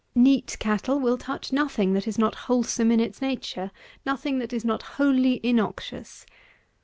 Neat cattle will touch nothing that is not wholesome in its nature; nothing that is not wholly innoxious.